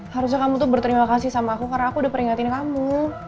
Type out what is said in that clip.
harusnya kamu tuh berterima kasih sama aku karena aku udah peringatin kamu